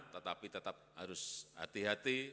tetapi tetap harus hati hati